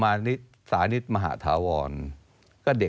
ไม่เป็นนี้ไม่ได้หมินใคร